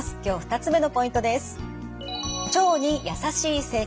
今日２つ目のポイントです。